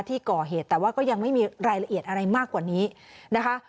ที่ก่อเหตุแต่ว่าก็ยังไม่มีรายละเอียดอะไรมากกว่านี้นะคะ